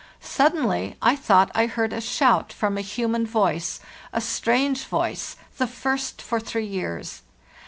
Suddenly I thought I heard a shout from a human voice, a strange voice, the first for three years.